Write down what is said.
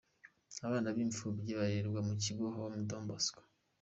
Abana b'imfubyi barererwa mu kigo Home don Bosco.